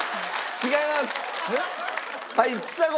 違います！